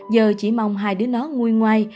giờ chỉ mong hai đứa nó nguôi ngoai